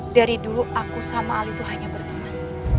dari dulu aku sama ali itu hanya berteman